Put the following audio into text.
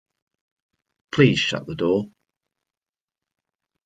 Please shut the door.